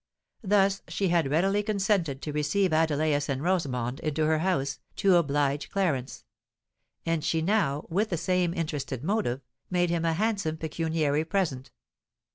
Thus she had readily consented to receive Adelais and Rosamond into her house, to oblige Clarence; and she now, with the same interested motive, made him a handsome pecuniary present.